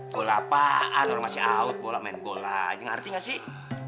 gol apaan lu masih out bola main gol aja ngerti gak sih